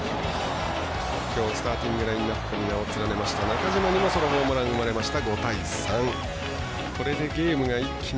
きょうスターティングラインアップに名を連ねました中島にもソロホームランが生まれました。